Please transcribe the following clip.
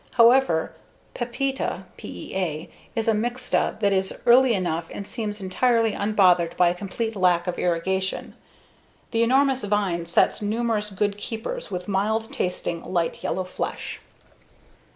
However, Pepita (PEA) is a mixta that is early enough and seems entirely unbothered by a complete lack of irrigation. The enormous vine sets numerous good keepers with mild tasting, light yellow flesh.